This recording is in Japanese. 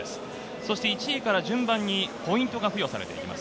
そして１位から順番にポイントが付与されていきます。